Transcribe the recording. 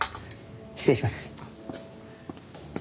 失礼します。